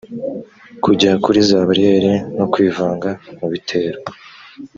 kujya kuri za bariyeri no kwivanga mu bitero